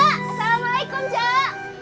cek assalamualaikum cek